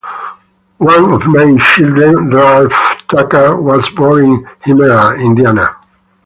One of nine children, Ralph Tucker was born in Hymera, Indiana.